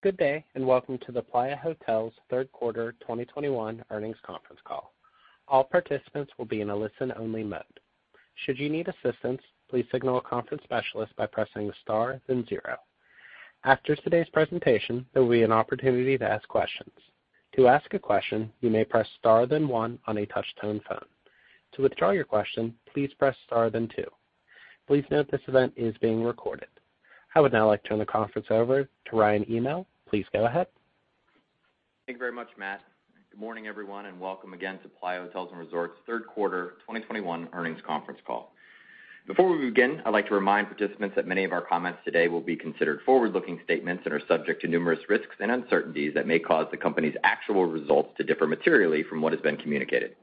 Good day, and welcome to the Playa Hotels Q3 2021 Earnings Conference Call. All participants will be in a listen only mode. Should you need assistance, please signal a conference specialist by pressing star then zero. After today's presentation, there will be an opportunity to ask questions. To ask a question, you may press star then one on a touchtone phone. To withdraw your question, please press star then two. Please note this event is being recorded. I would now like to turn the conference over to Ryan Hymel. Please go ahead. Thank you very much, Matt. Good morning, everyone, and welcome again to Playa Hotels & Resorts Q3 2021 Earnings Conference Call. Before we begin, I'd like to remind participants that many of our comments today will be considered forward-looking statements and are subject to numerous risks and uncertainties that may cause the company's actual results to differ materially from what has been communicated.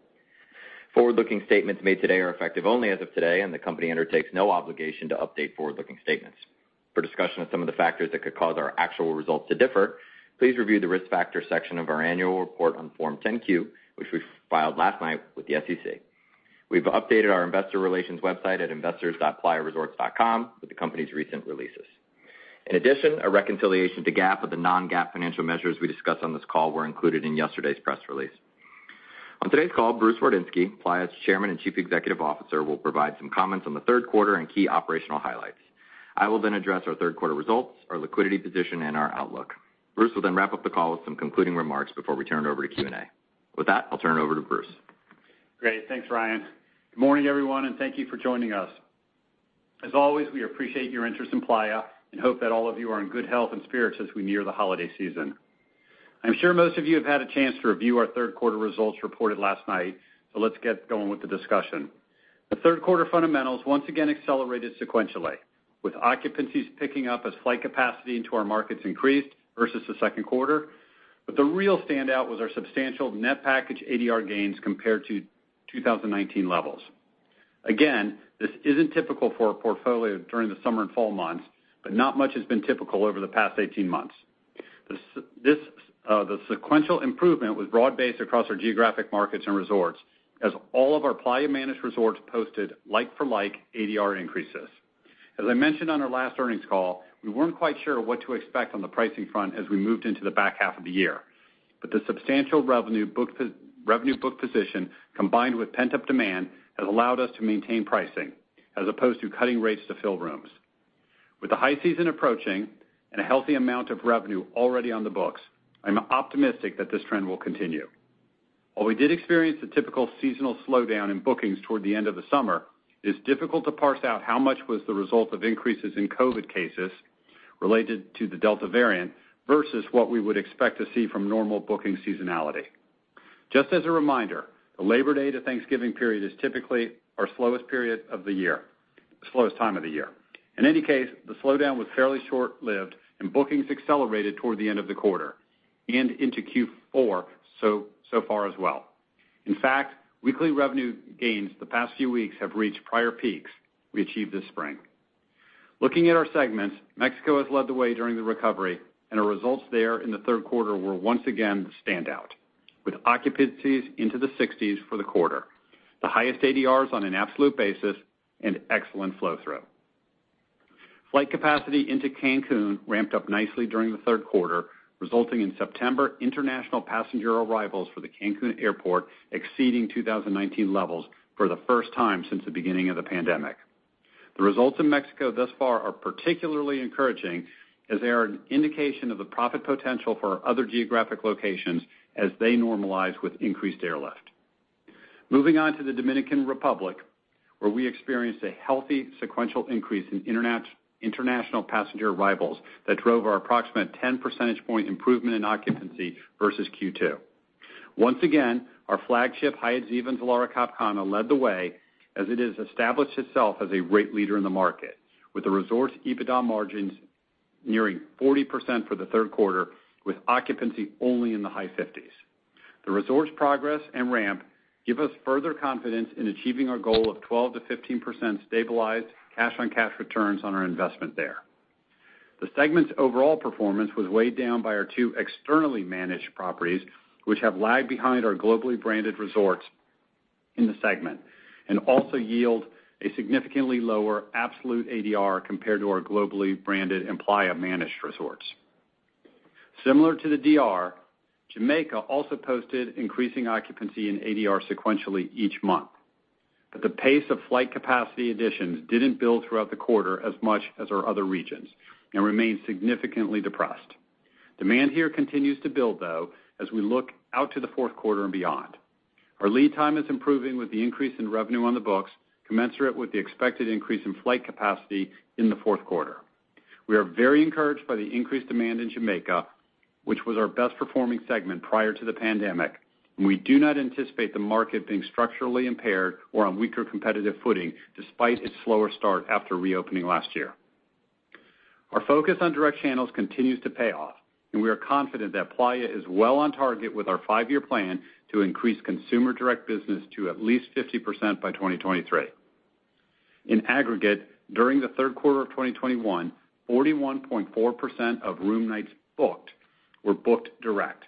Forward-looking statements made today are effective only as of today, and the company undertakes no obligation to update forward-looking statements. For discussion of some of the factors that could cause our actual results to differ, please review the Risk Factors section of our annual report on Form 10-K, which we filed last night with the SEC. We've updated our investor relations website at investors.playaresorts.com with the company's recent releases. In addition, a reconciliation to GAAP of the non-GAAP financial measures we discuss on this call were included in yesterday's press release. On today's call, Bruce Wardinski, Playa's Chairman and Chief Executive Officer, will provide some comments on the Q3 and key operational highlights. I will then address our Q3 results, our liquidity position, and our outlook. Bruce will then wrap up the call with some concluding remarks before we turn it over to Q&A. With that, I'll turn it over to Bruce. Great. Thanks, Ryan. Good morning, everyone, and thank you for joining us. As always, we appreciate your interest in Playa and hope that all of you are in good health and spirits as we near the holiday season. I'm sure most of you have had a chance to review our Q3 results reported last night, so let's get going with the discussion. The Q3 fundamentals once again accelerated sequentially, with occupancies picking up as flight capacity into our markets increased versus the Q2. The real standout was our substantial net package ADR gains compared to 2019 levels. Again, this isn't typical for our portfolio during the summer and fall months, but not much has been typical over the past 18 months. The sequential improvement was broad-based across our geographic markets and resorts as all of our Playa Managed resorts posted like-for-like ADR increases. As I mentioned on our last earnings call, we weren't quite sure what to expect on the pricing front as we moved into the back half of the year. The substantial revenue booked position, combined with pent-up demand, has allowed us to maintain pricing as opposed to cutting rates to fill rooms. With the high season approaching and a healthy amount of revenue already on the books, I'm optimistic that this trend will continue. While we did experience the typical seasonal slowdown in bookings toward the end of the summer, it is difficult to parse out how much was the result of increases in COVID cases related to the Delta variant versus what we would expect to see from normal booking seasonality. Just as a reminder, the Labor Day to Thanksgiving period is typically our slowest period of the year. In any case, the slowdown was fairly short-lived and bookings accelerated toward the end of the quarter and into Q4 so far as well. In fact, weekly revenue gains the past few weeks have reached prior peaks we achieved this spring. Looking at our segments, Mexico has led the way during the recovery, and our results there in the Q3 were once again the standout, with occupancies into the 60s for the quarter, the highest ADRs on an absolute basis, and excellent flow-through. Flight capacity into Cancún ramped up nicely during the Q3, resulting in September international passenger arrivals for the Cancún Airport exceeding 2019 levels for the first time since the beginning of the pandemic. The results in Mexico thus far are particularly encouraging as they are an indication of the profit potential for our other geographic locations as they normalize with increased airlift. Moving on to the Dominican Republic, where we experienced a healthy sequential increase in international passenger arrivals that drove our approximate 10 percentage point improvement in occupancy versus Q2. Once again, our flagship Hyatt Ziva and Zilara Cap Cana led the way as it has established itself as a rate leader in the market, with the resort's EBITDA margins nearing 40% for the Q3 with occupancy only in the high 50s. The resort's progress and ramp give us further confidence in achieving our goal of 12% to 15% stabilized cash-on-cash returns on our investment there. The segment's overall performance was weighed down by our two externally managed properties, which have lagged behind our globally branded resorts in the segment and also yield a significantly lower absolute ADR compared to our globally branded and Playa-managed resorts. Similar to the DR, Jamaica also posted increasing occupancy in ADR sequentially each month. The pace of flight capacity additions didn't build throughout the quarter as much as our other regions and remain significantly depressed. Demand here continues to build, though, as we look out to the Q4 and beyond. Our lead time is improving with the increase in revenue on the books commensurate with the expected increase in flight capacity in the Q4. We are very encouraged by the increased demand in Jamaica, which was our best performing segment prior to the pandemic, and we do not anticipate the market being structurally impaired or on weaker competitive footing despite its slower start after reopening last year. Our focus on direct channels continues to pay off, and we are confident that Playa is well on target with our five-year plan to increase consumer direct business to at least 50% by 2023. In aggregate, during the Q3 of 2021, 41.4% of room nights booked were booked direct,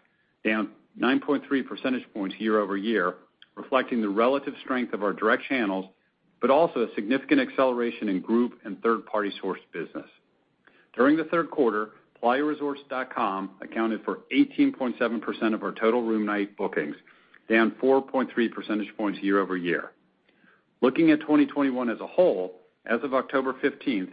down 9.3 percentage points year-over-year, reflecting the relative strength of our direct channels, but also a significant acceleration in group and third party source business. During the Q3, playaresorts.com accounted for 18.7% of our total room night bookings, down 4.3 percentage points year over year. Looking at 2021 as a whole, as of October 15,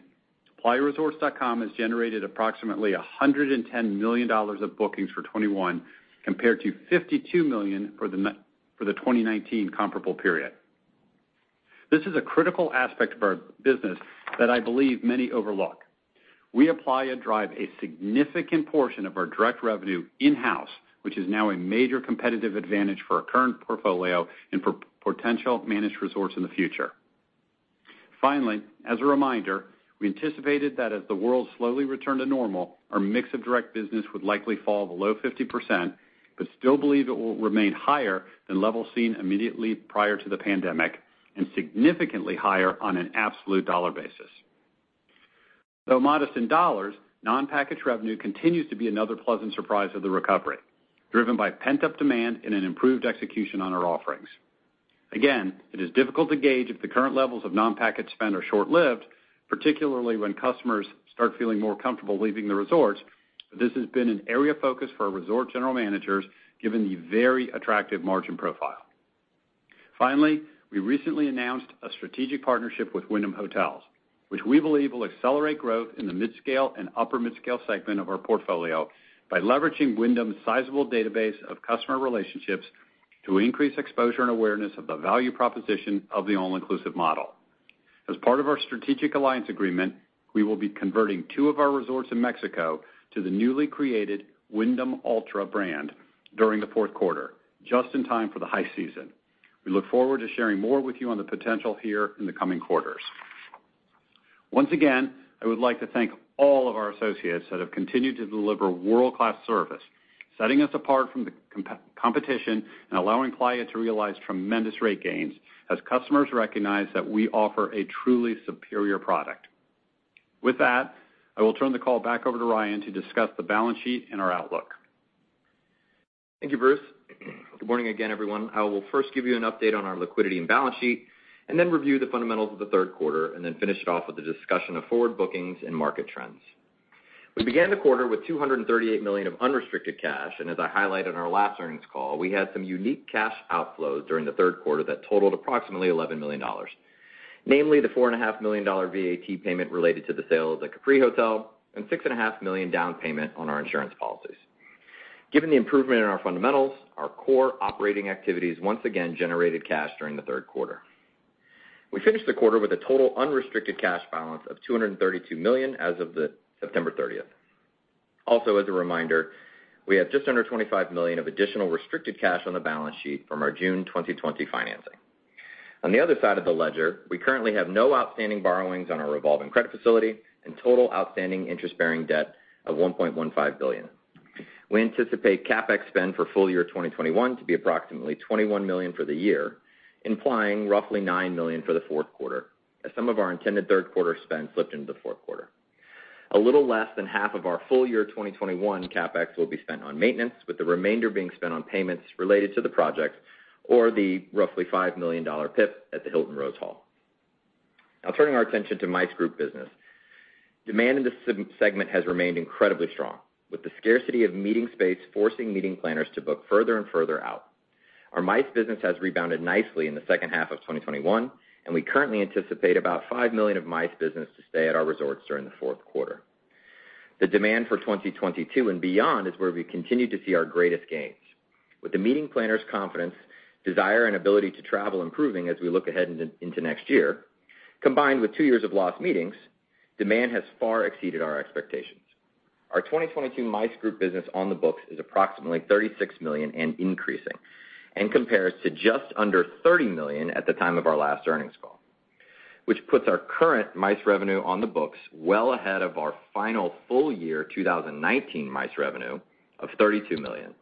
playaresorts.com has generated approximately $110 million of bookings for 2021 compared to $52 million for the 2019 comparable period. This is a critical aspect of our business that I believe many overlook. We apply and drive a significant portion of our direct revenue in-house, which is now a major competitive advantage for our current portfolio and for potential managed resorts in the future. Finally, as a reminder, we anticipated that as the world slowly returned to normal, our mix of direct business would likely fall below 50%, but still believe it will remain higher than levels seen immediately prior to the pandemic and significantly higher on an absolute dollar basis. Though modest in dollars, non-package revenue continues to be another pleasant surprise of the recovery, driven by pent-up demand and an improved execution on our offerings. Again, it is difficult to gauge if the current levels of non-package spend are short-lived, particularly when customers start feeling more comfortable leaving the resorts, but this has been an area of focus for our resort general managers, given the very attractive margin profile. Finally, we recently announced a strategic partnership with Wyndham Hotels, which we believe will accelerate growth in the midscale and upper midscale segment of our portfolio by leveraging Wyndham's sizable database of customer relationships to increase exposure and awareness of the value proposition of the all-inclusive model. As part of our strategic alliance agreement, we will be converting two of our resorts in Mexico to the newly created Wyndham Alltra brand during the Q4, just in time for the high season. We look forward to sharing more with you on the potential here in the coming quarters. Once again, I would like to thank all of our associates that have continued to deliver world-class service, setting us apart from the competition and allowing Playa to realize tremendous rate gains as customers recognize that we offer a truly superior product. With that, I will turn the call back over to Ryan to discuss the balance sheet and our outlook. Thank you, Bruce. Good morning again, everyone. I will first give you an update on our liquidity and balance sheet, and then review the fundamentals of the Q3, and then finish it off with a discussion of forward bookings and market trends. We began the quarter with $238 million of unrestricted cash, and as I highlighted on our last earnings call, we had some unique cash outflows during the Q3 that totaled approximately $11 million, namely the $4.5 million VAT payment related to the sale of the Capri Hotel and $6.5 million down payment on our insurance policies. Given the improvement in our fundamentals, our core operating activities once again generated cash during the Q3. We finished the quarter with a total unrestricted cash balance of $232 million as of September 30. Also, as a reminder, we have just under $25 million of additional restricted cash on the balance sheet from our June 2020 financing. On the other side of the ledger, we currently have no outstanding borrowings on our revolving credit facility and total outstanding interest-bearing debt of $1.15 billion. We anticipate CapEx spend for full year 2021 to be approximately $21 million for the year, implying roughly $9 million for the Q4, as some of our intended Q3 spend slipped into the Q4. A little less than half of our full year 2021 CapEx will be spent on maintenance, with the remainder being spent on payments related to the project or the roughly $5 million PIP at the Hilton Rose Hall. Now turning our attention to MICE group business. Demand in this segment has remained incredibly strong, with the scarcity of meeting space forcing meeting planners to book further and further out. Our MICE business has rebounded nicely in the second half of 2021, and we currently anticipate about $5 million of MICE business to stay at our resorts during the Q4. The demand for 2022 and beyond is where we continue to see our greatest gains. With the meeting planners' confidence, desire, and ability to travel improving as we look ahead into next year, combined with two years of lost meetings, demand has far exceeded our expectations. Our 2022 MICE group business on the books is approximately $36 million and increasing, and compares to just under $30 million at the time of our last earnings call, which puts our current MICE revenue on the books well ahead of our final full year 2019 MICE revenue of $32 million,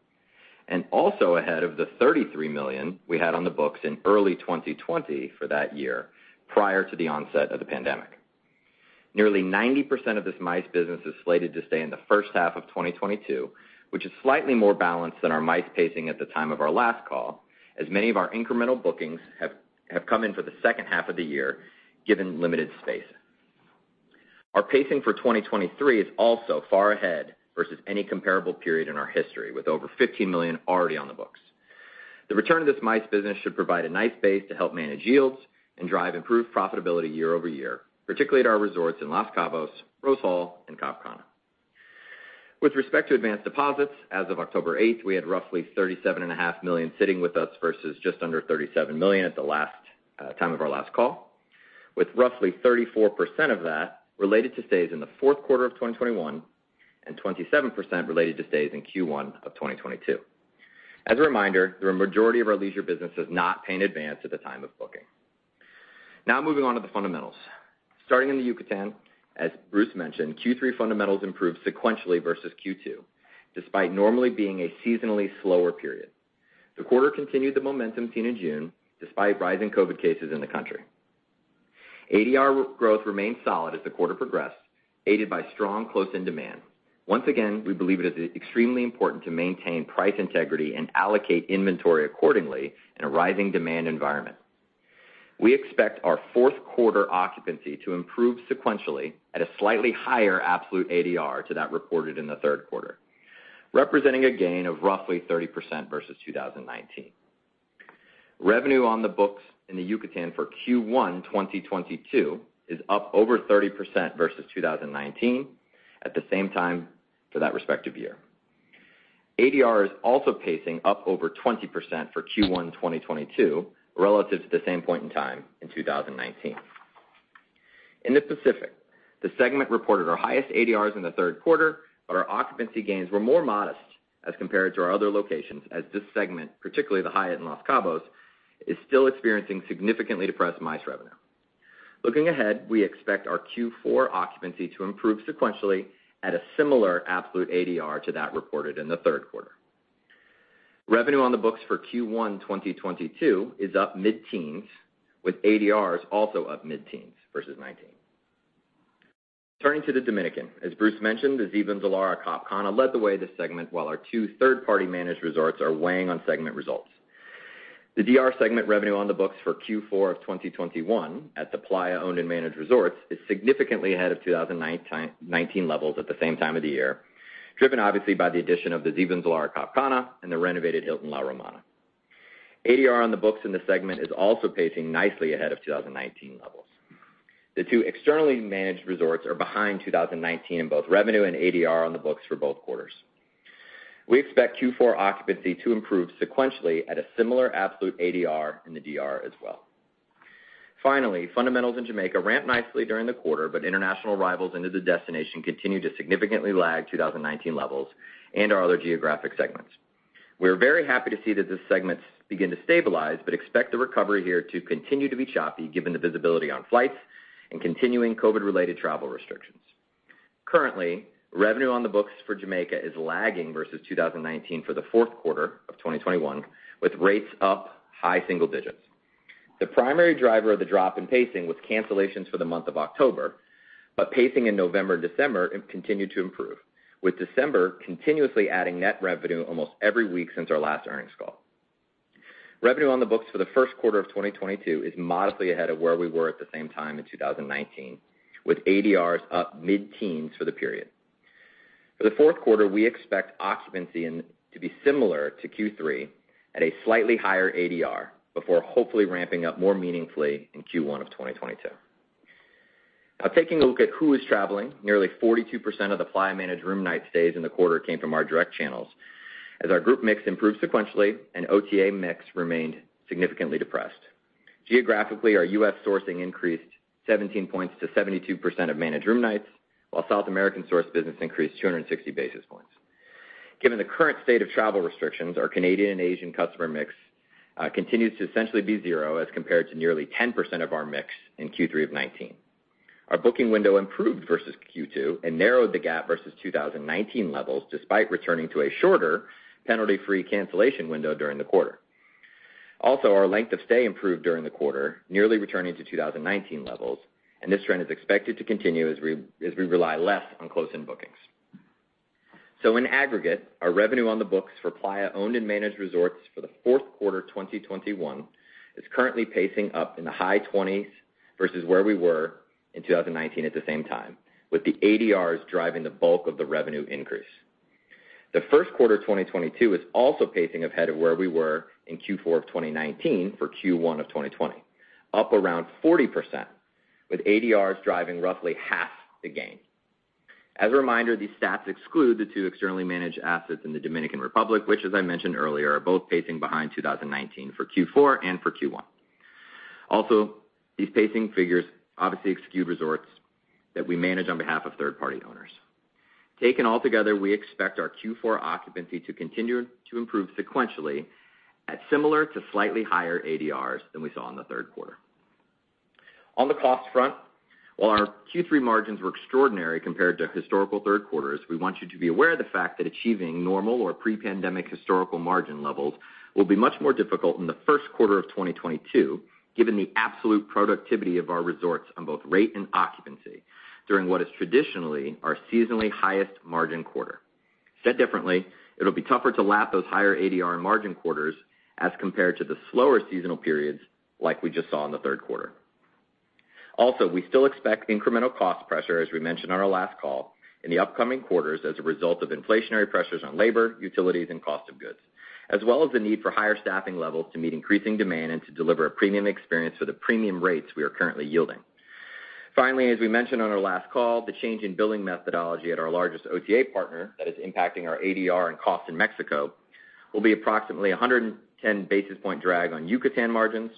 and also ahead of the $33 million we had on the books in early 2020 for that year prior to the onset of the pandemic. Nearly 90% of this MICE business is slated to stay in the first half of 2022, which is slightly more balanced than our MICE pacing at the time of our last call, as many of our incremental bookings have come in for the H2 of the year, given limited space. Our pacing for 2023 is also far ahead versus any comparable period in our history with over $15 million already on the books. The return of this MICE business should provide a nice base to help manage yields and drive improved profitability year-over-year, particularly at our resorts in Los Cabos, Rose Hall, and Cap Cana. With respect to advanced deposits, as of October eighth, we had roughly $37.5 million sitting with us versus just under $37 million at the last time of our last call, with roughly 34% of that related to stays in the Q4 of 2021 and 27% related to stays in Q1 of 2022. As a reminder, the majority of our leisure business is not paying advance at the time of booking. Now moving on to the fundamentals. Starting in the Yucatán, as Bruce mentioned, Q3 fundamentals improved sequentially versus Q2, despite normally being a seasonally slower period. The quarter continued the momentum seen in June, despite rising COVID cases in the country. ADR growth remained solid as the quarter progressed, aided by strong close-in demand. Once again, we believe it is extremely important to maintain price integrity and allocate inventory accordingly in a rising demand environment. We expect our Q4 occupancy to improve sequentially at a slightly higher absolute ADR to that reported in the Q3, representing a gain of roughly 30% versus 2019. Revenue on the books in the Yucatán for Q1 2022 is up over 30% versus 2019 at the same time for that respective year. ADR is also pacing up over 20% for Q1 2022 relative to the same point in time in 2019. In the Pacific, the segment reported our highest ADRs in the Q3, but our occupancy gains were more modest as compared to our other locations as this segment, particularly the Hyatt in Los Cabos, is still experiencing significantly depressed MICE revenue. Looking ahead, we expect our Q4 occupancy to improve sequentially at a similar absolute ADR to that reported in the Q3. Revenue on the books for Q1 2022 is up mid-teens, with ADRs also up mid-teens versus 2019. Turning to the Dominican Republic. As Bruce mentioned, the Ziva Zilara Cap Cana led the way in this segment, while our 2/3 party managed resorts are weighing on segment results. The DR segment revenue on the books for Q4 of 2021 at the Playa-owned and managed resorts is significantly ahead of 2019 levels at the same time of the year, driven obviously by the addition of the Ziva Zilara Cap Cana and the renovated Hilton La Romana. ADR on the books in the segment is also pacing nicely ahead of 2019 levels. The two externally managed resorts are behind 2019 in both revenue and ADR on the books for both quarters. We expect Q4 occupancy to improve sequentially at a similar absolute ADR in the DR as well. Finally, fundamentals in Jamaica ramped nicely during the quarter, but international arrivals into the destination continued to significantly lag 2019 levels and our other geographic segments. We are very happy to see that this segment has begun to stabilize, but expect the recovery here to continue to be choppy given the visibility on flights and continuing COVID-related travel restrictions. Currently, revenue on the books for Jamaica is lagging versus 2019 for the Q4 of 2021, with rates up high single digits. The primary driver of the drop in pacing was cancellations for the month of October, but pacing in November and December continued to improve, with December continuously adding net revenue almost every week since our last earnings call. Revenue on the books for the Q1 of 2022 is modestly ahead of where we were at the same time in 2019, with ADRs up mid-teens for the period. For the Q4, we expect occupancy to be similar to Q3 at a slightly higher ADR before hopefully ramping up more meaningfully in Q1 of 2022. Now taking a look at who is traveling, nearly 42% of the Playa managed room night stays in the quarter came from our direct channels as our group mix improved sequentially and OTA mix remained significantly depressed. Geographically, our U.S. sourcing increased 17 points to 72% of managed room nights, while South American sourced business increased 260 basis points. Given the current state of travel restrictions, our Canadian and Asian customer mix continues to essentially be zero as compared to nearly 10% of our mix in Q3 of 2019. Our booking window improved versus Q2 and narrowed the gap versus 2019 levels despite returning to a shorter penalty-free cancellation window during the quarter. Also, our length of stay improved during the quarter, nearly returning to 2019 levels, and this trend is expected to continue as we rely less on close-in bookings. In aggregate, our revenue on the books for Playa-owned and managed resorts for the Q4 of 2021 is currently pacing up in the high 20s versus where we were in 2019 at the same time, with the ADRs driving the bulk of the revenue increase. The Q1 of 2022 is also pacing ahead of where we were in Q4 of 2019 for Q1 of 2020, up around 40%, with ADRs driving roughly half the gain. As a reminder, these stats exclude the two externally managed assets in the Dominican Republic, which as I mentioned earlier, are both pacing behind 2019 for Q4 and for Q1. Also, these pacing figures obviously exclude resorts that we manage on behalf of third-party owners. Taken altogether, we expect our Q4 occupancy to continue to improve sequentially at similar to slightly higher ADRs than we saw in the Q3. On the cost front, while our Q3 margins were extraordinary compared to historical third quarters, we want you to be aware of the fact that achieving normal or pre-pandemic historical margin levels will be much more difficult in the Q1 of 2022, given the absolute productivity of our resorts on both rate and occupancy during what is traditionally our seasonally highest margin quarter. Said differently, it'll be tougher to lap those higher ADR margin quarters as compared to the slower seasonal periods like we just saw in the Q3. Also, we still expect incremental cost pressure, as we mentioned on our last call, in the upcoming quarters as a result of inflationary pressures on labor, utilities, and cost of goods, as well as the need for higher staffing levels to meet increasing demand and to deliver a premium experience for the premium rates we are currently yielding. Finally, as we mentioned on our last call, the change in billing methodology at our largest OTA partner that is impacting our ADR and cost in Mexico will be approximately 110 basis point drag on Yucatán margins,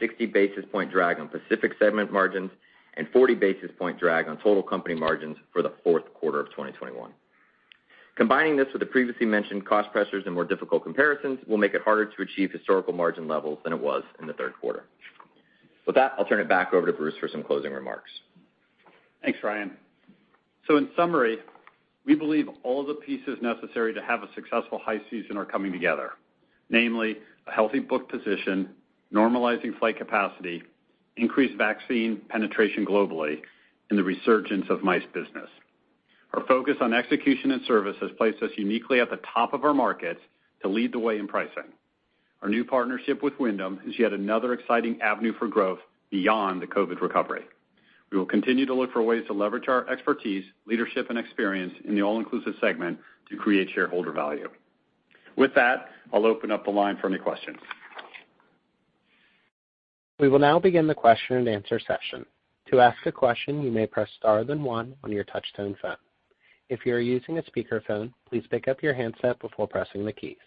60 basis point drag on Pacific segment margins, and 40 basis point drag on total company margins for the Q4 of 2021. Combining this with the previously mentioned cost pressures and more difficult comparisons will make it harder to achieve historical margin levels than it was in the Q3. With that, I'll turn it back over to Bruce for some closing remarks. Thanks, Ryan. In summary, we believe all the pieces necessary to have a successful high season are coming together. Namely, a healthy book position, normalizing flight capacity, increased vaccine penetration globally, and the resurgence of MICE business. Our focus on execution and service has placed us uniquely at the top of our markets to lead the way in pricing. Our new partnership with Wyndham is yet another exciting avenue for growth beyond the COVID recovery. We will continue to look for ways to leverage our expertise, leadership, and experience in the all-inclusive segment to create shareholder value. With that, I'll open up the line for any questions. We will now begin the question and answer session. To ask a question, you may press star then one on your touchtone phone. If you're using a speaker phone please pick up your handset before pressing the keys.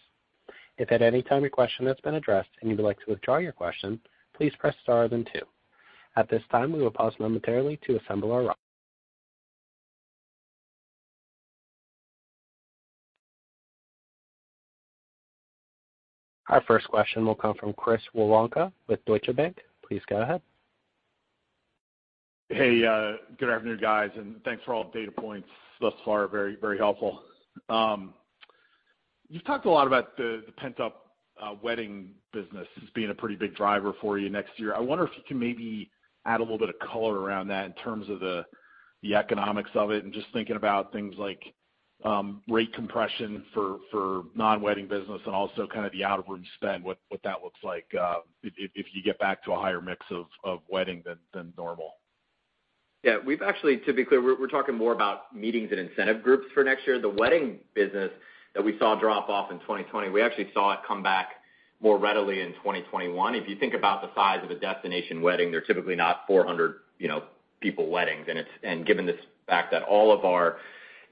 In a time that your question has been addressed and would like to withdraw your question, please press star then two. At this time we will pause momentarily to assembly our roll. Our first question will come from Chris Woronka with Deutsche Bank. Please go ahead. Hey, good afternoon, guys, and thanks for all the data points thus far. Very, very helpful. You've talked a lot about the pent-up wedding business as being a pretty big driver for you next year. I wonder if you can maybe add a little bit of color around that in terms of the economics of it and just thinking about things like rate compression for non-wedding business and also kind of the out of room spend, what that looks like, if you get back to a higher mix of wedding than normal. Yeah. To be clear, we're talking more about meetings and incentive groups for next year. The wedding business that we saw drop off in 2020, we actually saw it come back more readily in 2021. If you think about the size of a destination wedding, they're typically not 400, you know, people weddings. Given this fact that all of our,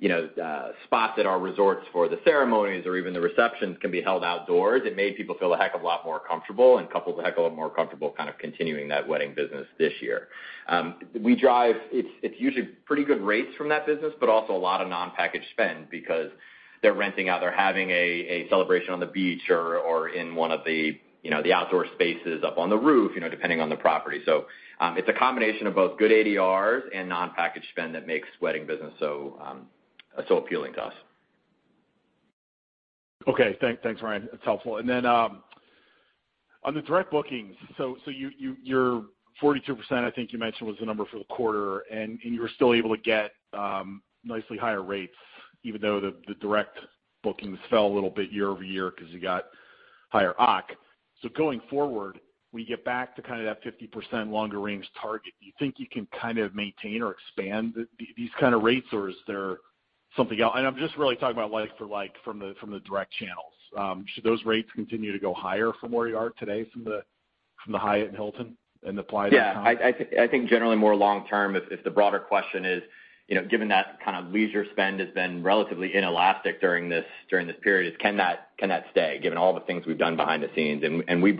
you know, spots at our resorts for the ceremonies or even the receptions can be held outdoors, it made people feel a heck of a lot more comfortable and couples a heck of a lot more comfortable kind of continuing that wedding business this year. It's usually pretty good rates from that business, but also a lot of non-packaged spend because they're renting out, they're having a celebration on the beach or in one of the, you know, the outdoor spaces up on the roof, you know, depending on the property. It's a combination of both good ADRs and non-packaged spend that makes wedding business so appealing to us. Okay. Thanks, Ryan. That's helpful. On the direct bookings, so you're 42%, I think you mentioned, was the number for the quarter, and you were still able to get nicely higher rates even though the direct bookings fell a little bit year-over-year 'cause you got higher occ. Going forward, we get back to kind of that 50% longer range target. Do you think you can kind of maintain or expand these kind of rates, or is there something else? I'm just really talking about like for like from the direct channels. Should those rates continue to go higher from where you are today from the Hyatt and Hilton and apply that? Yeah. I think generally more long term, if the broader question is, you know, given that kind of leisure spend has been relatively inelastic during this period, can that stay given all the things we've done behind the scenes? We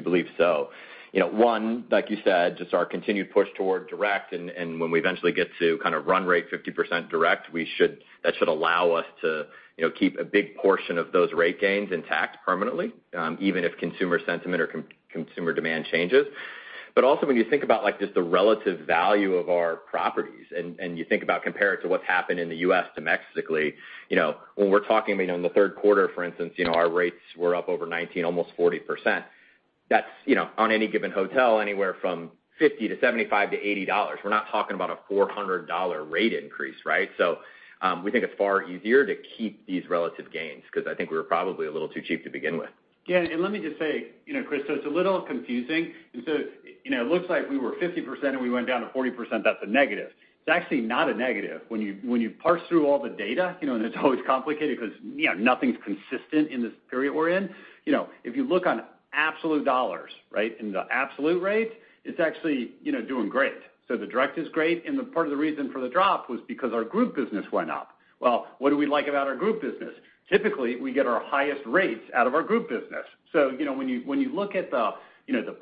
believe so. You know, one, like you said, just our continued push toward direct and when we eventually get to kind of run rate 50% direct, that should allow us to, you know, keep a big portion of those rate gains intact permanently, even if consumer sentiment or consumer demand changes. Also when you think about like just the relative value of our properties and you think about compared to what's happened in the U.S. domestically, you know, when we're talking, you know, in the Q3, for instance, you know, our rates were up over 19, almost 40%. That's, you know, on any given hotel, anywhere from $50 to $75 to $80. We're not talking about a $400 rate increase, right? We think it's far easier to keep these relative gains because I think we were probably a little too cheap to begin with. Yeah. Let me just say, you know, Chris, so it's a little confusing. You know, it looks like we were 50% and we went down to 40%, that's a negative. It's actually not a negative. When you parse through all the data, you know, and it's always complicated because, you know, nothing's consistent in this period we're in. You know, if you look on absolute dollars, right, and the absolute rate, it's actually, you know, doing great. The direct is great, and the part of the reason for the drop was because our group business went up. Well, what do we like about our group business? Typically, we get our highest rates out of our group business. You know, when you look at the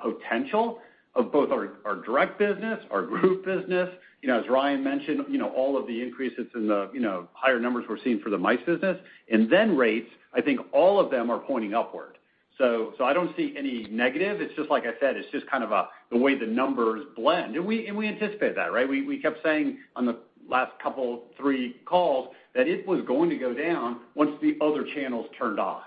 potential of both our direct business, our group business, you know, as Ryan mentioned, you know, all of the increases in the higher numbers we're seeing for the MICE business and then rates, I think all of them are pointing upward. I don't see any negative. It's just like I said, it's just kind of the way the numbers blend. We anticipate that, right? We kept saying on the last couple, three calls that it was going to go down once the other channels turned on.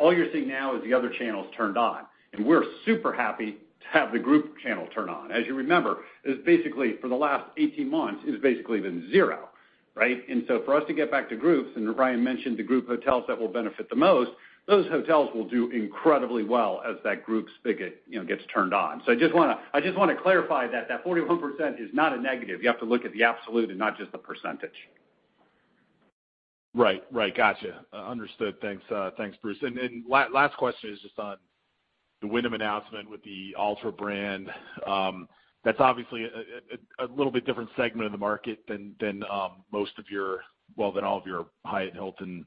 All you're seeing now is the other channels turned on. We're super happy to have the group channel turn on. As you remember, it's basically for the last 18 months, it's basically been zero, right? For us to get back to groups, and Ryan mentioned the group hotels that will benefit the most, those hotels will do incredibly well as that group spigot, you know, gets turned on. I just wanna clarify that that 41% is not a negative. You have to look at the absolute and not just the percentage. Right. Got it. Understood. Thanks, thanks, Bruce. Last question is just on the Wyndham announcement with the Alltra brand. That's obviously a little bit different segment of the market than most of your, well, than all of your Hyatt and Hilton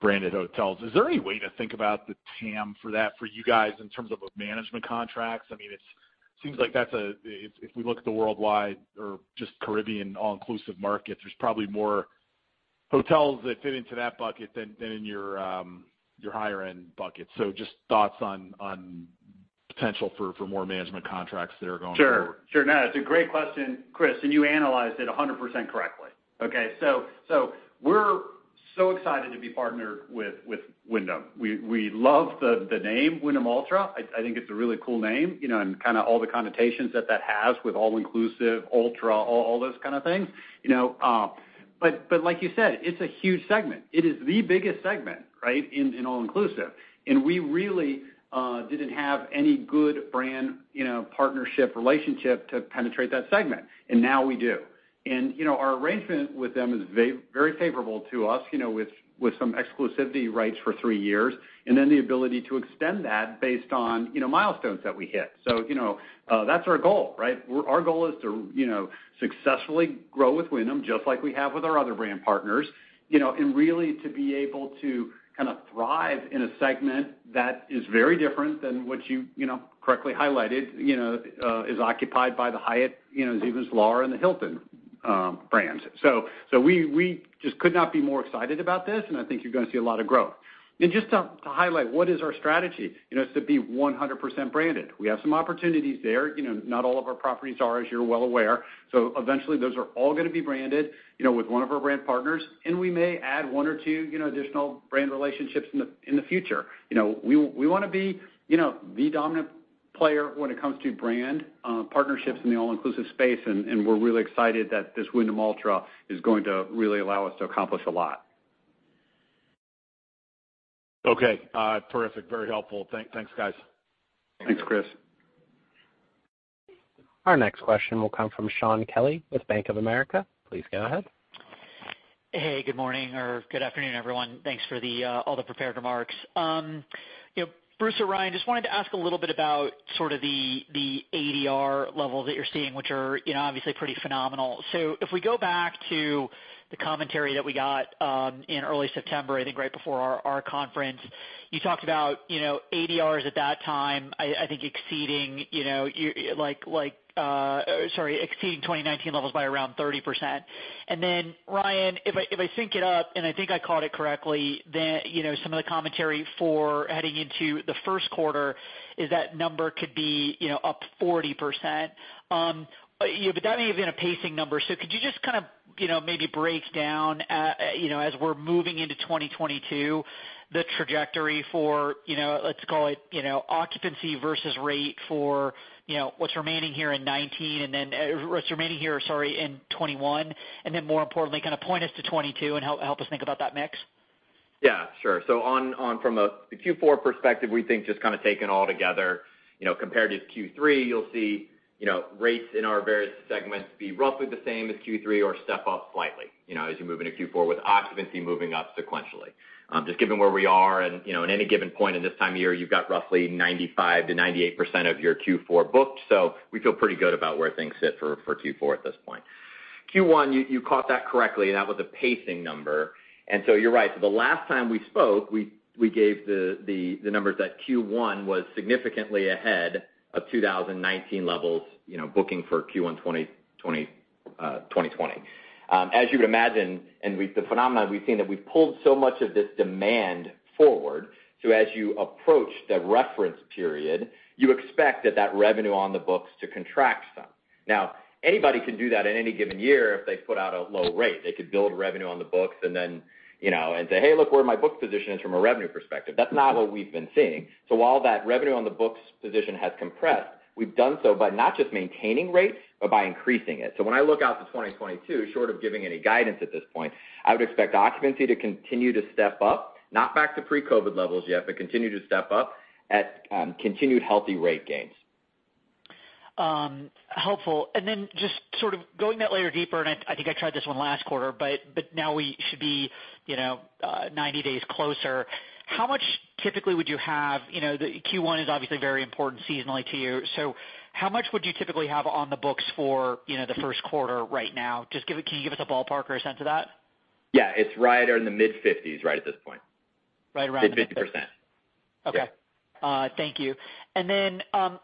branded hotels. Is there any way to think about the TAM for that for you guys in terms of management contracts? I mean, it seems like that's. If we look at the worldwide or just Caribbean all-inclusive market, there's probably more hotels that fit into that bucket than in your higher end bucket. Just thoughts on potential for more management contracts that are going forward. Sure. No, it's a great question, Chris, and you analyzed it 100% correctly. Okay. We're so excited to be partnered with Wyndham. We love the name Wyndham Alltra. I think it's a really cool name, you know, and all the connotations that has with all-inclusive, ultra, all those kind of things, you know. But like you said, it's a huge segment. It is the biggest segment, right, in all-inclusive. We really didn't have any good brand, you know, partnership relationship to penetrate that segment, and now we do. You know, our arrangement with them is very favorable to us, you know, with some exclusivity rights for three years, and then the ability to extend that based on, you know, milestones that we hit. You know, that's our goal, right? Our goal is to, you know, successfully grow with Wyndham, just like we have with our other brand partners, you know, and really to be able to kind of thrive in a segment that is very different than what you know, correctly highlighted, you know, is occupied by the Hyatt Ziva, Zilara, and the Hilton brands. We just could not be more excited about this, and I think you're gonna see a lot of growth. Just to highlight what is our strategy, you know, is to be 100% branded. We have some opportunities there. You know, not all of our properties are, as you're well aware. Eventually those are all gonna be branded, you know, with one of our brand partners, and we may add one or two, you know, additional brand relationships in the future. You know, we wanna be, you know, the dominant player when it comes to brand partnerships in the all-inclusive space, and we're really excited that this Wyndham Alltra is going to really allow us to accomplish a lot. Okay. Terrific. Very helpful. Thanks, guys. Thanks, Chris. Our next question will come from Shaun Kelley with Bank of America. Please go ahead. Hey, good morning or good afternoon, everyone. Thanks for all the prepared remarks. You know, Bruce or Ryan, just wanted to ask a little bit about sort of the ADR level that you're seeing, which are, you know, obviously pretty phenomenal. If we go back to the commentary that we got in early September, I think right before our conference, you talked about, you know, ADRs at that time, I think exceeding 2019 levels by around 30%. Then, Ryan, if I sync it up, and I think I caught it correctly, then, you know, some of the commentary for heading into the Q1 is that number could be, you know, up 40%. But that may have been a pacing number. Could you just kind of, you know, maybe break down as we're moving into 2022, the trajectory for, you know, let's call it, you know, occupancy versus rate for, you know, what's remaining here in 2021, and then more importantly, kind of point us to 2022 and help us think about that mix. Yeah, sure. On from a Q4 perspective, we think just kind of taken all together, you know, comparative Q3, you'll see, you know, rates in our various segments be roughly the same as Q3 or step up slightly, you know, as you move into Q4 with occupancy moving up sequentially. Just given where we are and, you know, at any given point in this time of year, you've got roughly 95% to 98% of your Q4 booked. We feel pretty good about where things sit for Q4 at this point. Q1, you caught that correctly. That was a pacing number. You're right. The last time we spoke, we gave the numbers that Q1 was significantly ahead of 2019 levels, you know, booking for Q1 2020. As you would imagine, with the phenomena we've seen that we've pulled so much of this demand forward. As you approach the reference period, you expect that revenue on the books to contract some. Now, anybody can do that in any given year if they put out a low rate. They could build revenue on the books and then, you know, and say, "Hey, look where my book position is from a revenue perspective." That's not what we've been seeing. While that revenue on the books position has compressed, we've done so by not just maintaining rates, but by increasing it. When I look out to 2022, short of giving any guidance at this point, I would expect occupancy to continue to step up, not back to pre-COVID levels yet, but continue to step up at continued healthy rate gains. Helpful. Then just sort of going that layer deeper, I think I tried this one last quarter, but now we should be, you know, 90 days closer. How much typically would you have? You know, the Q1 is obviously very important seasonally to you. So how much would you typically have on the books for, you know, the Q1 right now? Can you give us a ballpark or a sense of that? Yeah. It's right in the mid-50s, right at this point. Right around mid-50s. mid 50%. Okay. Yeah. Thank you.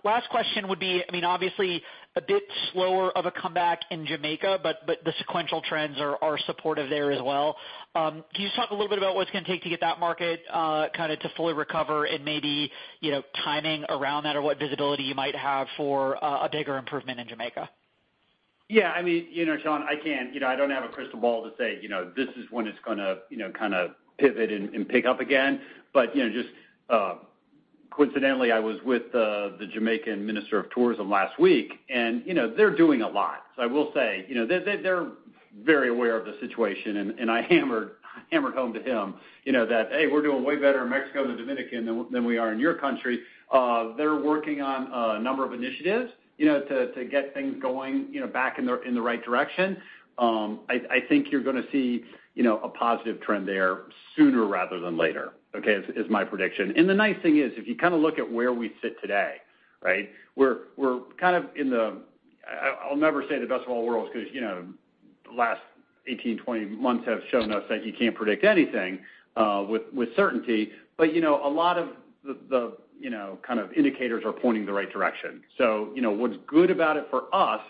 Last question would be, I mean, obviously a bit slower of a comeback in Jamaica, but the sequential trends are supportive there as well. Can you just talk a little bit about what it's gonna take to get that market to fully recover and maybe, you know, timing around that or what visibility you might have for a bigger improvement in Jamaica? Yeah. I mean, you know, Shaun, I can't. You know, I don't have a crystal ball to say, you know, this is when it's gonna, you know, kind of pivot and pick up again. You know, just coincidentally, I was with the Jamaican Minister of Tourism last week, and, you know, they're doing a lot. I will say, you know, they're very aware of the situation and I hammered home to him, you know, that, hey, we're doing way better in Mexico and the Dominican than we are in your country. They're working on a number of initiatives, you know, to get things going, you know, back in the right direction. I think you're gonna see, you know, a positive trend there sooner rather than later, okay, is my prediction. The nice thing is, if you kind of look at where we sit today, right? I'll never say the best of all worlds because, you know, the last 18 to 20 months have shown us that you can't predict anything with certainty. You know, a lot of the you know, kind of indicators are pointing the right direction. You know, what's good about it for us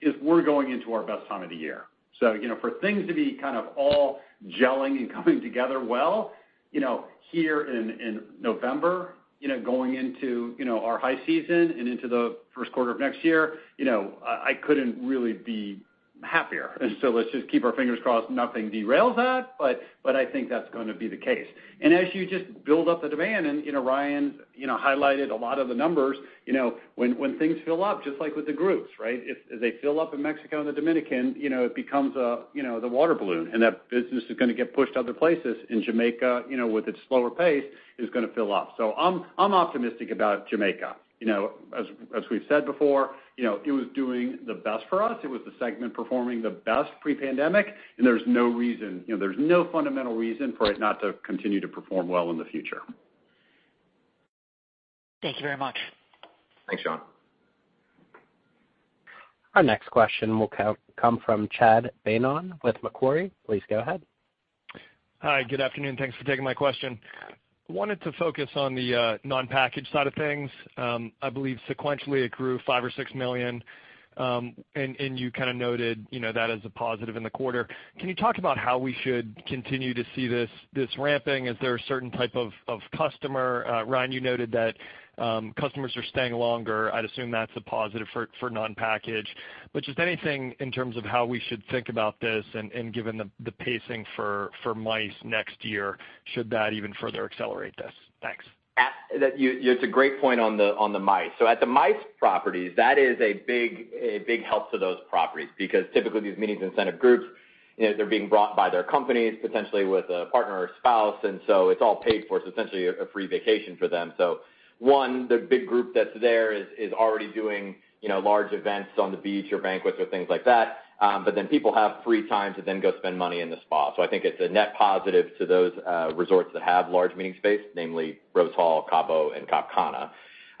is we're going into our best time of the year. You know, for things to be kind of all gelling and coming together well. You know, here in November, you know, going into, you know, our high season and into the Q1 of next year, you know, I couldn't really be happier. Let's just keep our fingers crossed nothing derails that, but I think that's gonna be the case. As you just build up the demand, and, you know, Ryan, you know, highlighted a lot of the numbers, you know, when things fill up, just like with the groups, right? If they fill up in Mexico and the Dominican, you know, it becomes, you know, the water balloon, and that business is gonna get pushed other places. Jamaica, you know, with its slower pace, is gonna fill up. So I'm optimistic about Jamaica. You know, as we've said before, you know, it was doing the best for us. It was the segment performing the best pre-pandemic, and there's no reason, you know, there's no fundamental reason for it not to continue to perform well in the future. Thank you very much. Thanks, Shaun. Our next question will come from Chad Beynon with Macquarie. Please go ahead. Hi. Good afternoon. Thanks for taking my question. I wanted to focus on the non-package side of things. I believe sequentially it grew $5 million to $6 million, and you kind of noted, you know, that as a positive in the quarter. Can you talk about how we should continue to see this ramping? Is there a certain type of customer? Ryan, you noted that customers are staying longer. I'd assume that's a positive for non-package. But just anything in terms of how we should think about this and given the pacing for MICE next year, should that even further accelerate this? Thanks. It's a great point on the MICE. At the MICE properties, that is a big help to those properties because typically these meetings incentive groups, you know, they're being brought by their companies, potentially with a partner or spouse, and so it's all paid for, so essentially a free vacation for them. The big group that's there is already doing, you know, large events on the beach or banquets or things like that, but then people have free time to then go spend money in the spa. I think it's a net positive to those resorts that have large meeting space, namely Rose Hall, Cabo, and Cap Cana.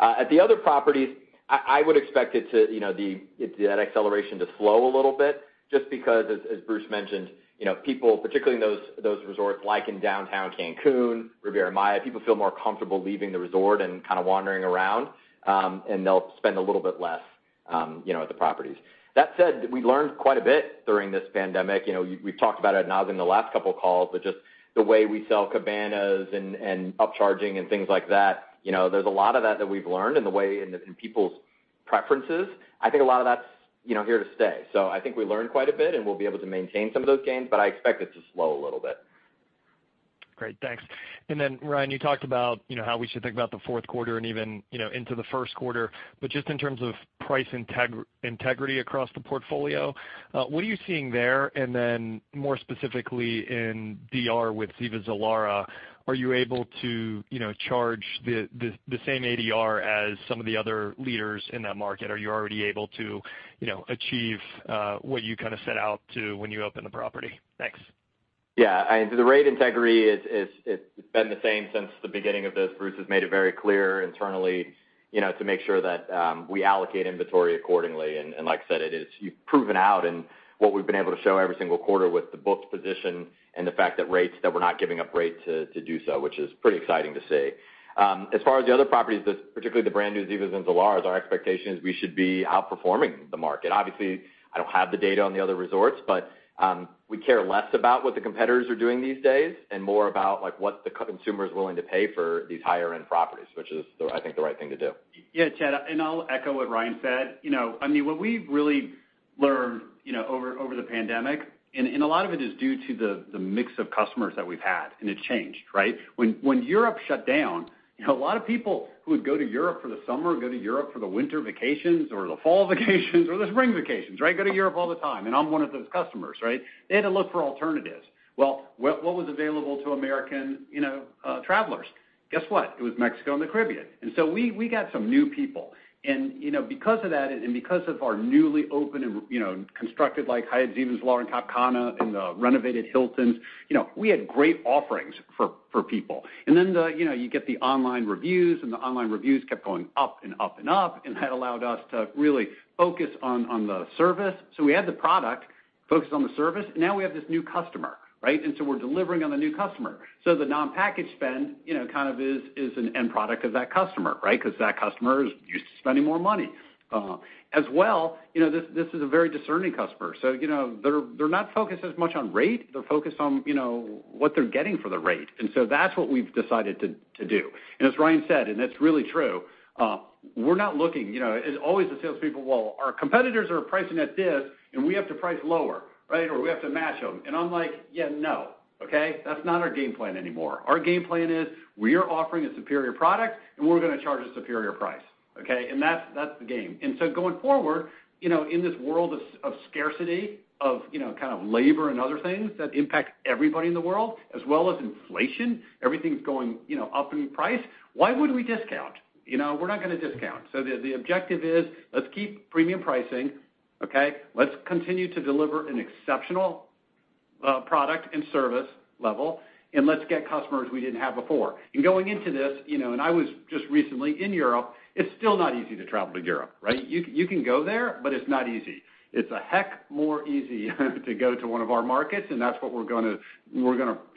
At the other properties, I would expect it to, you know, that acceleration to slow a little bit just because, as Bruce mentioned, you know, people, particularly in those resorts, like in downtown Cancún, Riviera Maya, people feel more comfortable leaving the resort and kind of wandering around, and they'll spend a little bit less, you know, at the properties. That said, we learned quite a bit during this pandemic. You know, we've talked about it, and I was in the last couple of calls, but just the way we sell cabanas and up charging and things like that, you know, there's a lot of that that we've learned in people's preferences. I think a lot of that's, you know, here to stay. I think we learned quite a bit, and we'll be able to maintain some of those gains, but I expect it to slow a little bit. Great. Thanks. Ryan, you talked about how we should think about the Q4 and even into the Q1. Just in terms of price integrity across the portfolio, what are you seeing there? More specifically in DR with Ziva and Zilara, are you able to charge the same ADR as some of the other leaders in that market? Are you already able to achieve what you kind of set out to when you open the property? Thanks. Yeah. The rate integrity is it's been the same since the beginning of this. Bruce has made it very clear internally, you know, to make sure that we allocate inventory accordingly. Like I said, you've proven out in what we've been able to show every single quarter with the booked position and the fact that rates that we're not giving up rate to do so, which is pretty exciting to see. As far as the other properties, particularly the brand new Ziva and Zilara, our expectation is we should be outperforming the market. Obviously, I don't have the data on the other resorts, but we care less about what the competitors are doing these days and more about, like, what the consumer is willing to pay for these higher end properties, which is, I think, the right thing to do. Yeah, Chad, I'll echo what Ryan said. You know, I mean, what we've really learned, you know, over the pandemic, and a lot of it is due to the mix of customers that we've had, and it changed, right? When Europe shut down, you know, a lot of people who would go to Europe for the summer, go to Europe for the winter vacations or the fall vacations or the spring vacations, right? Go to Europe all the time, and I'm one of those customers, right? They had to look for alternatives. Well, what was available to American, you know, travelers? Guess what? It was Mexico and the Caribbean. We got some new people. You know, because of that and because of our newly open and, you know, constructed like Hyatt Ziva and Hyatt Zilara in Cap Cana and the renovated Hiltons, you know, we had great offerings for people. Then the, you know, you get the online reviews, and the online reviews kept going up and up and up, and that allowed us to really focus on the service. We had the product focused on the service. Now we have this new customer, right? We're delivering on the new customer. The non-package spend, you know, kind of is an end product of that customer, right? Because that customer is used to spending more money. As well, you know, this is a very discerning customer, so, you know, they're not focused as much on rate. They're focused on, you know, what they're getting for the rate. That's what we've decided to do. As Ryan said, and that's really true, we're not looking. You know, as always the salespeople, "Well, our competitors are pricing at this and we have to price lower, right? Or we have to match them." I'm like, "Yeah, no, okay? That's not our game plan anymore." Our game plan is we are offering a superior product and we're gonna charge a superior price, okay? That's the game. Going forward, you know, in this world of scarcity, of, you know, kind of labor and other things that impact everybody in the world, as well as inflation, everything's going, you know, up in price. Why would we discount? You know, we're not gonna discount. The objective is let's keep premium pricing, okay? Let's continue to deliver an exceptional product and service level, and let's get customers we didn't have before. Going into this, you know, I was just recently in Europe, it's still not easy to travel to Europe, right? You can go there, but it's not easy. It's a heck more easy to go to one of our markets, and that's what we're gonna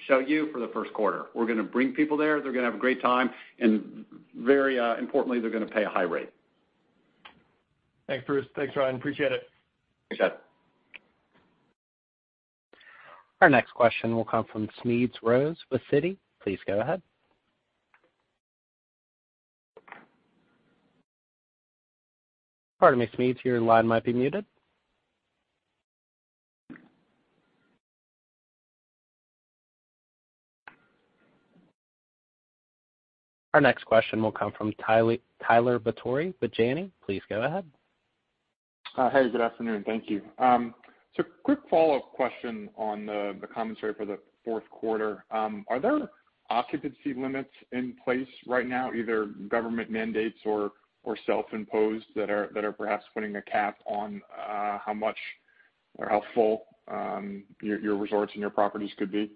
show you for the Q1. We're gonna bring people there. They're gonna have a great time, and very importantly, they're gonna pay a high rate. Thanks, Bruce. Thanks, Ryan. Appreciate it. Appreciate it. Our next question will come from Smedes Rose with Citi. Please go ahead. Pardon me, Smedes, your line might be muted. Our next question will come from Tyler Batory with Janney. Please go ahead. Hey, good afternoon. Thank you. Quick follow-up question on the commentary for the Q4. Are there occupancy limits in place right now, either government mandates or self-imposed that are perhaps putting a cap on how much or how full your resorts and your properties could be?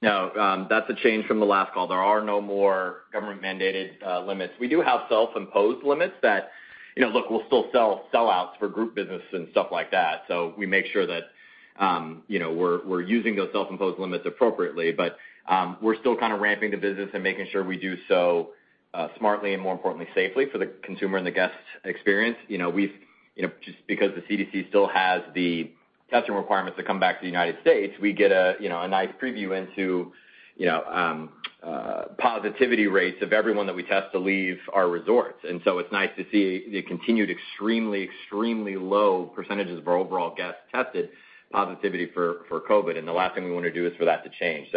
No. That's a change from the last call. There are no more government mandated limits. We do have self-imposed limits that, you know, look, we'll still sell sellouts for group business and stuff like that. We make sure that, you know, we're using those self-imposed limits appropriately. We're still kind of ramping the business and making sure we do so smartly and more importantly, safely for the consumer and the guest experience. You know, just because the CDC still has the testing requirements to come back to the United States, we get, you know, a nice preview into, you know, positivity rates of everyone that we test to leave our resorts. It's nice to see the continued extremely low percentages for overall guests tested positive for COVID, and the last thing we wanna do is for that to change.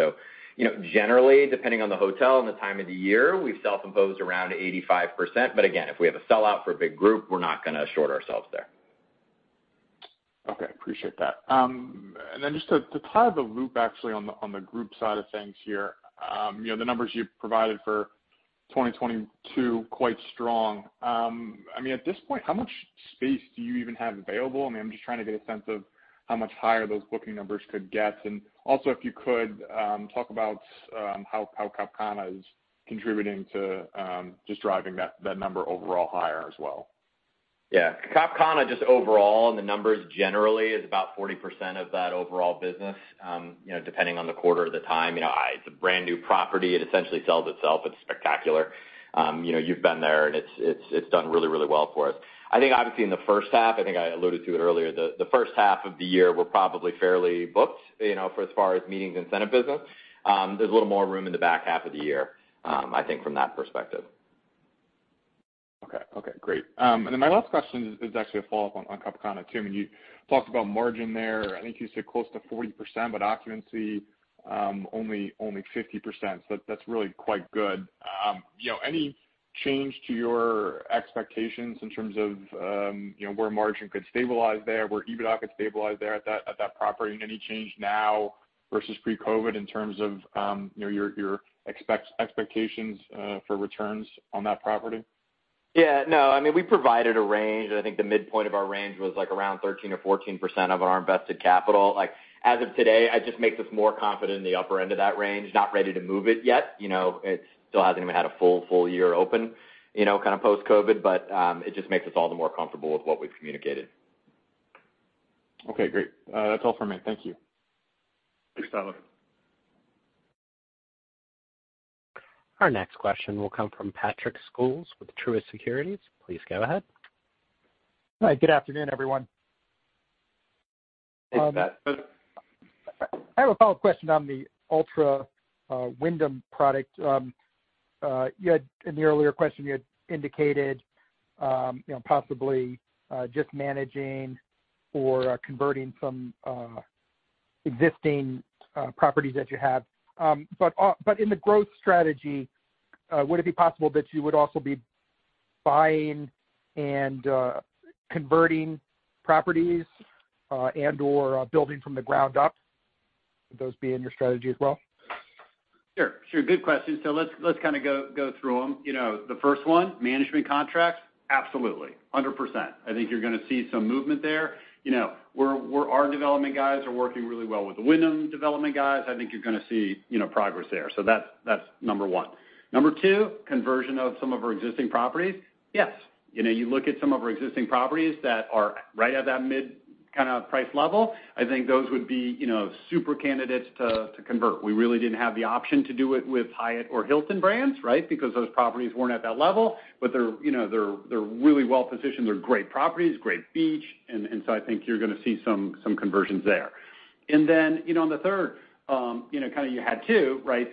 You know, generally, depending on the hotel and the time of the year, we've self-imposed around 85%, but again, if we have a sellout for a big group, we're not gonna short ourselves there. Okay. Appreciate that. Just to tie the loop actually on the group side of things here, you know, the numbers you provided for 2022, quite strong. I mean, at this point, how much space do you even have available? I mean, I'm just trying to get a sense of how much higher those booking numbers could get. Also, if you could, talk about how Cap Cana is contributing to just driving that number overall higher as well. Yeah. Cap Cana just overall, and the numbers generally is about 40% of that overall business, you know, depending on the quarter or the time. You know, it's a brand new property. It essentially sells itself. It's spectacular. You know, you've been there, and it's done really, really well for us. I think obviously in the first half, I think I alluded to it earlier, the first half of the year, we're probably fairly booked, you know, for as far as meetings and incentive business. There's a little more room in the back half of the year, I think from that perspective. Okay, great. My last question is actually a follow-up on Cap Cana too. I mean, you talked about margin there. I think you said close to 40%, but occupancy only 50%. That's really quite good. You know, any change to your expectations in terms of you know, where margin could stabilize there, where EBITDA could stabilize there at that property? And any change now versus pre-COVID in terms of you know, your expectations for returns on that property? Yeah. No. I mean, we provided a range, and I think the midpoint of our range was, like, around 13% or 14% of our invested capital. Like, as of today, it just makes us more confident in the upper end of that range. Not ready to move it yet. You know, it still hasn't even had a full year open, you know, kind of post-COVID, but it just makes us all the more comfortable with what we've communicated. Okay, great. That's all for me. Thank you. Thanks, Tyler. Our next question will come from Patrick Scholes with Truist Securities. Please go ahead. Hi, good afternoon, everyone. Hey, Pat. I have a follow-up question on the Wyndham Alltra product. You had indicated in the earlier question, you know, possibly just managing or converting some existing properties that you have. But in the growth strategy, would it be possible that you would also be buying and converting properties and/or building from the ground up? Would those be in your strategy as well? Sure. Good question. Let's go through them. You know, the first one, management contracts, absolutely, 100%. I think you're gonna see some movement there. You know, we're our development guys are working really well with the Wyndham development guys. I think you're gonna see, you know, progress there. That's number one. Number two, conversion of some of our existing properties. Yes. You know, you look at some of our existing properties that are right at that mid price level. I think those would be, you know, super candidates to convert. We really didn't have the option to do it with Hyatt or Hilton brands, right? Because those properties weren't at that level, but they're, you know, they're really well-positioned. They're great properties, great beach, and so I think you're gonna see some conversions there. You know, on the third, you know, you had two, right?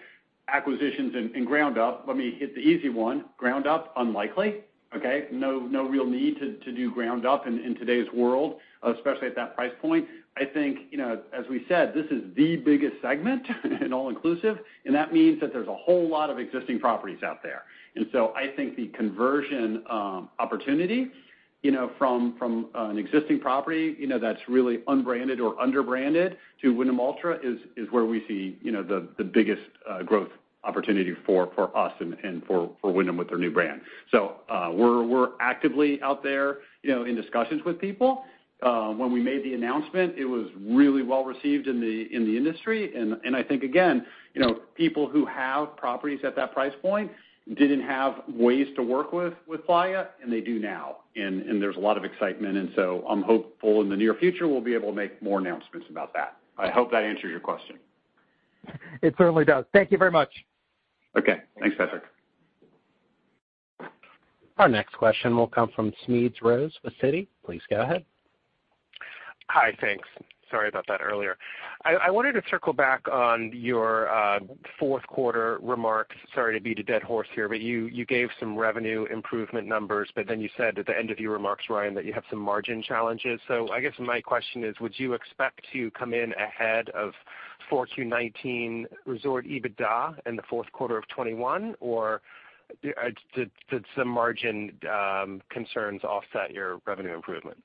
Acquisitions and ground up. Let me hit the easy one. Ground up, unlikely. Okay? No real need to do ground up in today's world, especially at that price point. I think, you know, as we said, this is the biggest segment in all-inclusive, and that means that there's a whole lot of existing properties out there. I think the conversion opportunity, you know, from an existing property, you know, that's really unbranded or under-branded to Wyndham Alltra is where we see, you know, the biggest growth opportunity for us and for Wyndham with their new brand. We're actively out there, you know, in discussions with people. When we made the announcement, it was really well-received in the industry. I think, again, you know, people who have properties at that price point didn't have ways to work with Playa, and they do now. There's a lot of excitement, and so I'm hopeful in the near future we'll be able to make more announcements about that. I hope that answers your question. It certainly does. Thank you very much. Okay. Thanks, Patrick. Our next question will come from Smedes Rose with Citi. Please go ahead. Hi. Thanks. Sorry about that earlier. I wanted to circle back on your Q4 remarks. Sorry to beat a dead horse here, but you gave some revenue improvement numbers, but then you said at the end of your remarks, Ryan, that you have some margin challenges. I guess my question is, would you expect to come in ahead of 4Q19 resort EBITDA in the Q4 of 2021? Or did some margin concerns offset your revenue improvement?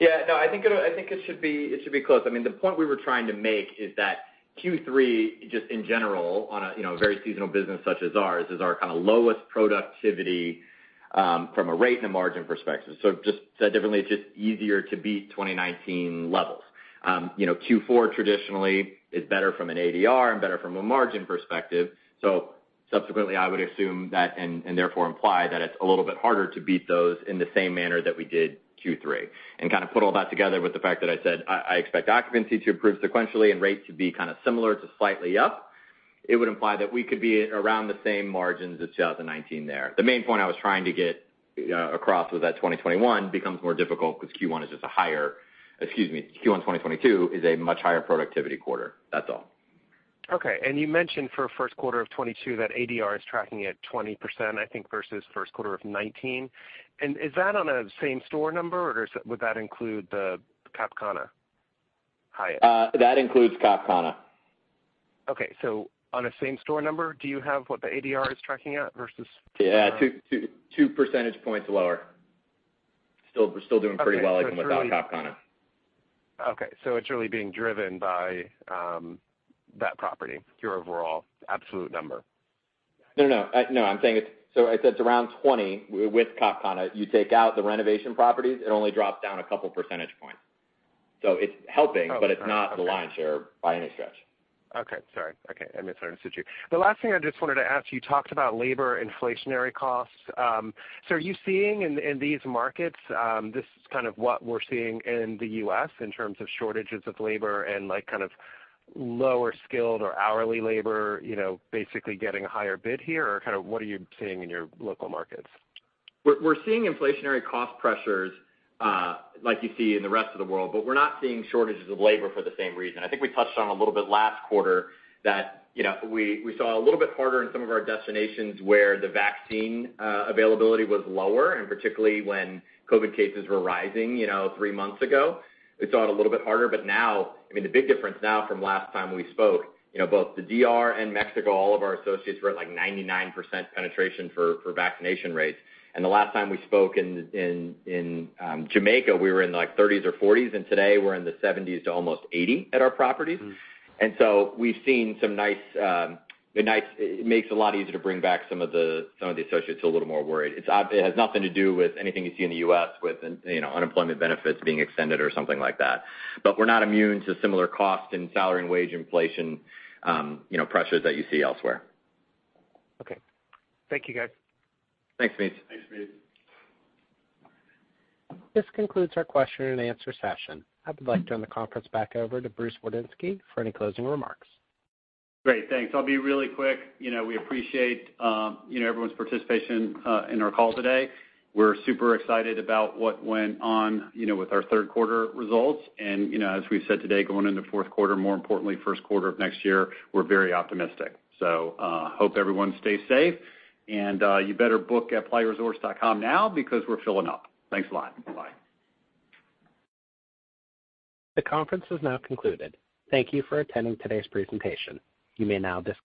Yeah, no, I think it should be close. I mean, the point we were trying to make is that Q3, just in general, on a you know very seasonal business such as ours, is our kind of lowest productivity from a rate and a margin perspective. So just said differently, it's just easier to beat 2019 levels. You know, Q4 traditionally is better from an ADR and better from a margin perspective. So subsequently, I would assume that and therefore imply that it's a little bit harder to beat those in the same manner that we did Q3. I kind of put all that together with the fact that I said I expect occupancy to improve sequentially and rate to be kind of similar to slightly up, it would imply that we could be around the same margins as 2019 there. The main point I was trying to get across was that 2021 becomes more difficult because Q1 2022 is a much higher productivity quarter. That's all. Okay. You mentioned for Q1 of 2022 that ADR is tracking at 20%, I think, versus Q1 of 2019. Is that on a same store number or is it, would that include the Cap Cana Hyatt? That includes Cap Cana. Okay, on a same store number, do you have what the ADR is tracking at versus- Yeah. 2 percentage points lower. Still, we're still doing pretty well even without Cap Cana. Okay. It's really being driven by that property, your overall absolute number. I'm saying it's around 20% with Cap Cana. You take out the renovation properties, it only drops down a couple percentage points. It's helping, but it's not the lion's share by any stretch. I misheard you. The last thing I just wanted to ask, you talked about labor inflationary costs. Are you seeing in these markets this is kind of what we're seeing in the U.S. in terms of shortages of labor and like, kind of lower skilled or hourly labor, you know, basically getting a higher bid here? Or kind of what are you seeing in your local markets? We're seeing inflationary cost pressures, like you see in the rest of the world, but we're not seeing shortages of labor for the same reason. I think we touched on a little bit last quarter that, you know, we saw a little bit harder in some of our destinations where the vaccine availability was lower, and particularly when COVID cases were rising, you know, three months ago. We saw it a little bit harder. Now, I mean, the big difference now from last time we spoke, you know, both the DR and Mexico, all of our associates were at, like, 99% penetration for vaccination rates. The last time we spoke in Jamaica, we were in, like, 30s or 40s, and today we're in the 70s to almost 80 at our properties. We've seen some nice. It makes it a lot easier to bring back some of the associates who are a little more worried. It has nothing to do with anything you see in the U.S. with an, you know, unemployment benefits being extended or something like that. We're not immune to similar cost and salary and wage inflation, you know, pressures that you see elsewhere. Okay. Thank you, guys. Thanks, Smedes. Thanks, Smedes. This concludes our question and answer session. I would like to turn the conference back over to Bruce Wardinski for any closing remarks. Great. Thanks. I'll be really quick. You know, we appreciate, you know, everyone's participation in our call today. We're super excited about what went on, you know, with our Q3 results. You know, as we've said today, going into Q4, more importantly, Q1 of next year, we're very optimistic. Hope everyone stays safe. You better book at playaresorts.com now because we're filling up. Thanks a lot. Bye-bye. The conference has now concluded. Thank you for attending today's presentation. You may now disconnect.